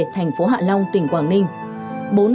thành phố hạ long tỉnh quảng ninh